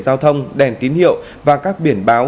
giao thông đèn tín hiệu và các biển báo